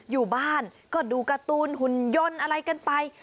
อยู่บ้านก็ดูการ์ตูนหุ่นยนต์อะไรกันไป